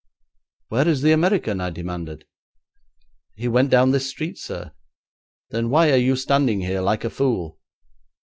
'Where is the American?' I demanded. 'He went down this street, sir.' 'Then why are you standing here like a fool?'